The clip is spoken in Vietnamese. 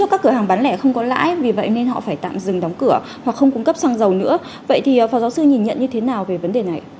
cảm ơn quý vị đã theo dõi